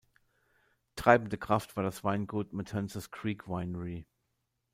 Treibende Kraft war das Weingut Matanzas Creek Winery.